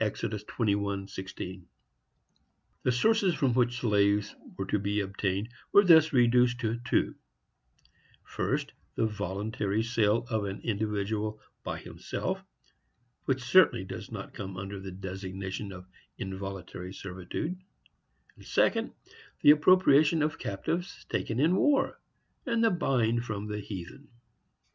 —Exodus 21:16. The sources from which slaves were to be obtained were thus reduced to two: first, the voluntary sale of an individual by himself, which certainly does not come under the designation of involuntary servitude; second, the appropriation of captives taken in war, and the buying from the heathen.